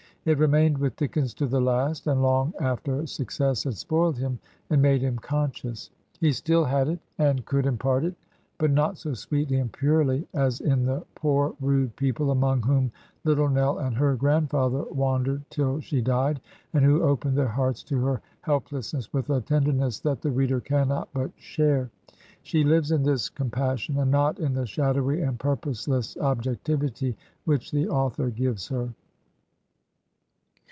It remained with Dickens to the last, and long after success had spoiled him and made him conscious. He still had it, and could impart it, but not so sweetly and purely as in the poor, rude people among whom Little Nell and her grandfather wandered till she died, and who opened their hearts to her helplessness with a tenderness that the reader cannot but share. She lives in this com passion, and not in the shadowy and purposeless ob jectivity which the author gives her.